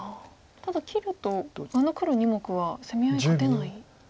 ただ切るとあの黒２目は攻め合い勝てない。